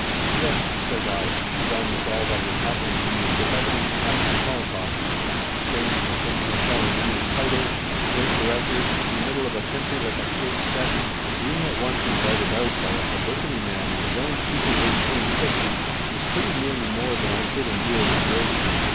"Yes," says I, too dumb with all that was happening to me to have any snappy small talk. Staying in the same hotel as English titles, great directors, in the middle of a country like a stage set, and being at once invited out by a publicity man in his own super twin six was pretty nearly more than I could endure with grace.